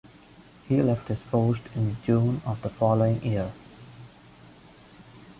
He left his post in June of the following year.